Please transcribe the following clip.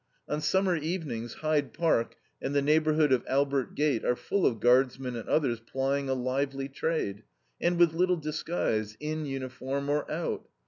On summer evenings Hyde Park and the neighborhood of Albert Gate are full of guardsmen and others plying a lively trade, and with little disguise, in uniform or out....